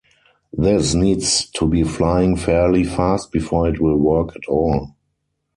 This needs to be flying fairly fast before it will work at all.